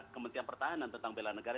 kementerian pertahanan tentang bela negara